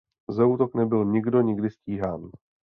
Za útok nebyl nikdo nikdy stíhán.